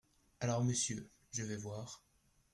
Alors, monsieur… je vais voir.